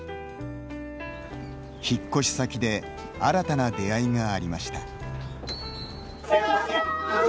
引っ越し先で新たな出会いがありました。